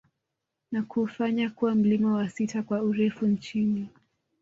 Na kuufanya kuwa mlima wa sita kwa urefu nchini